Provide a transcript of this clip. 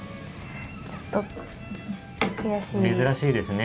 ちょっと、悔しいですね。